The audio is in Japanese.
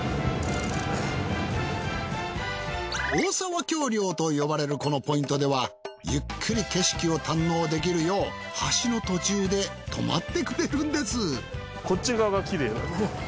大沢橋梁と呼ばれるこのポイントではゆっくり景色を堪能できるよう橋の途中で止まってくれるんですこっち側がきれい。